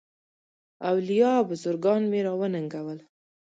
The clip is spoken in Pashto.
اولیاء او بزرګان مي را وننګول.